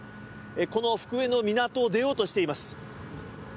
この福江の港を出ようとしています。